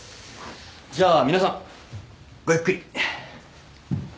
じゃあ皆さんごゆっくり。